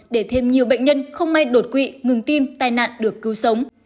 để thêm nhiều bệnh nhân không may đột quỵ ngừng tim tai nạn được cứu sống